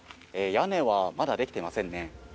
屋根はまだ出来てませんね。